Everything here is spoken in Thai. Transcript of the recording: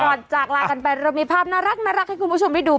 จากลากันไปเรามีภาพน่ารักให้คุณผู้ชมได้ดู